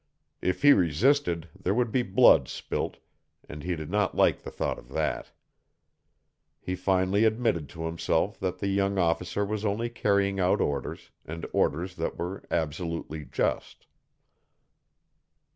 If he resisted there would be blood spilt, and he did not like the thought of that. He finally admitted to himself that the young officer was only carrying out orders, and orders that were absolutely just.